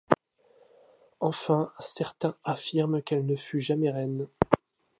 Enfin, certains affirment qu’elle ne fut jamais reine.